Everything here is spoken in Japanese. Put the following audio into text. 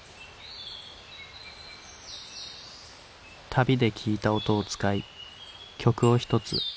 旅で聴いた音を使い曲を１つ作った。